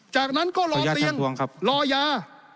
จากนั้นก็รอเตียงรอยา